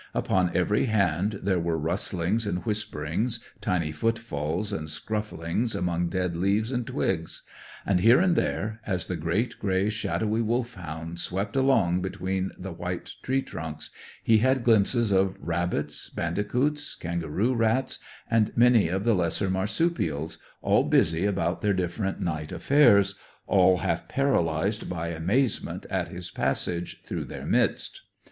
Upon every hand there were rustlings and whisperings, tiny footfalls and scufflings among dead leaves and twigs; and here and there, as the great grey, shadowy Wolfhound swept along between the white tree trunks, he had glimpses of rabbits, bandicoots, kangaroo rats, and many of the lesser marsupials, all busy about their different night affairs, all half paralysed by amazement at his passage through their midst.